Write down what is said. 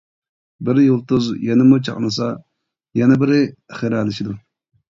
بىر يۇلتۇز يەنىمۇ چاقنىسا يەنە بىرى خىرەلىشىدۇ.